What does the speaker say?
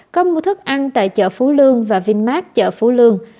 có mua thức ăn tại chợ phú lương và vinmart chợ phú lương